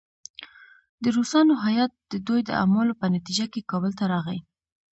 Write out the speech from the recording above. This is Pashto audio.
د روسانو هیات د دوی د اعمالو په نتیجه کې کابل ته راغی.